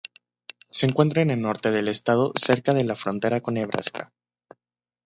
Se encuentra al norte del estado, cerca de la frontera con Nebraska.